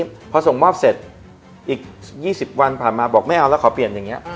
พอส่งมอบเสร็จอีก๒๐วันผ่านมาบอกไม่เอาแล้วขอเปลี่ยนอย่างนี้